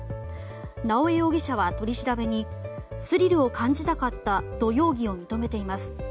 直江容疑者は取り調べにスリルを感じたかったと容疑を認めています。